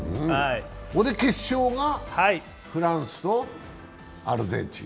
で、決勝がフランスとアルゼンチン。